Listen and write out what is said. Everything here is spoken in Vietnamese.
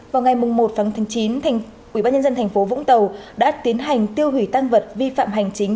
vào ngày một tháng chín ubnd tp vũng tàu đã tiến hành tiêu hủy tăng vật vi phạm hành chính